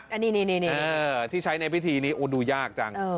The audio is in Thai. อันนี้ที่ใช้ในพิธีนี้ดูยากจัง